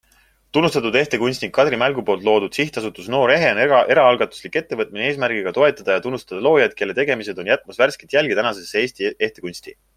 Tunnustatud ehtekunstnik Kadri Mälgu poolt loodud sihtasutus Noor Ehe on eraalgatuslik ettevõtmine eesmärgiga toetada ja tunnustada loojaid, kelle tegemised on jätmas värsket jälge tänasesse Eesti ehtekunsti.